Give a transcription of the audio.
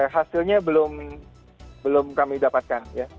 hasilnya belum kami dapatkan